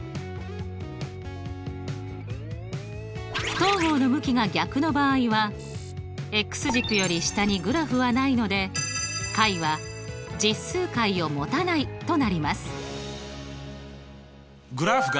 不等号の向きが逆の場合は軸より下にグラフはないので解は実数解をもたないとなります。